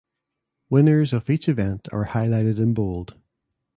Winners of each event are highlighted in bold.